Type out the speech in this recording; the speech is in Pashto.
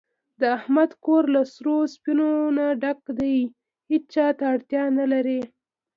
د احمد کور له سرو سپینو نه ډک دی، هېچاته اړتیا نه لري.